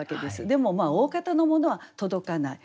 でもおおかたのものは届かない。